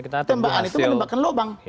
tembakan itu menembakkan lubang